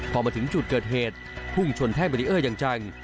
พอมาถึงจุดเกิดเหตุพุ่งชนแท่งเบรีเออร์อย่างจัง